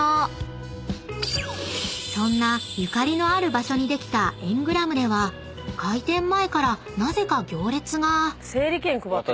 ［そんなゆかりのある場所にできたエングラムでは開店前からなぜか行列が］